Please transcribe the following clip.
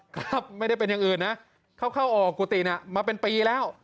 ครับไม่ได้เป็นอย่างอื่นนะเขาเข้าออกกุฏิน่ะมาเป็นปีแล้ว